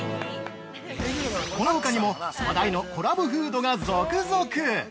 ◆このほかにも、話題のコラボフードが続々！